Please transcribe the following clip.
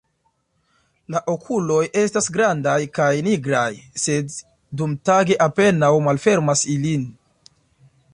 La okuloj estas grandaj kaj nigraj, sed dumtage apenaŭ malfermas ilin.